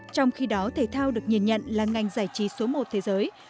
trong khi đó thể thao được nhìn nhận là ngành giải trí số một thế giới